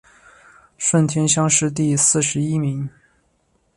顺天乡试第四十一名。